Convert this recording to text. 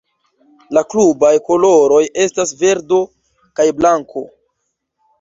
La klubaj koloroj estas verdo kaj blanko.